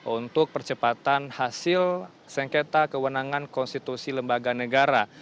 untuk percepatan hasil sengketa kewenangan konstitusi lembaga negara